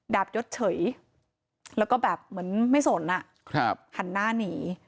ดับยศเฉยแล้วก็แบบเหมือนไม่สนอ่ะครับหันหน้านี